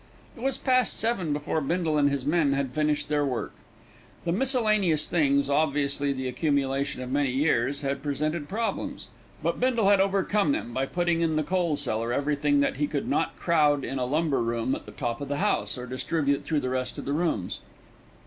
It was past seven before Bindle and his men had finished their work. The miscellaneous things, obviously the accumulation of many years, had presented problems; but Bindle had overcome them by putting in the coal cellar everything that he could not crowd in a lumber room at the top of the house, or distribute through the rest of the rooms.